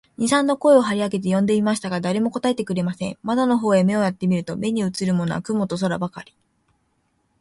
二三度声を張り上げて呼んでみましたが、誰も答えてくれません。窓の方へ目をやって見ると、目にうつるものは雲と空ばかり、